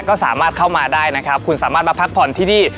ก็สามารถเข้ามาได้นะครับคุณสามารถมาพักผ่อนที่นี่